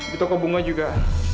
di toko bunga juga